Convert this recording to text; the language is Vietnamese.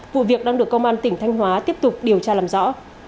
vụ việc đang được công an tỉnh thanh hóa tiếp tục điều tra làm rõ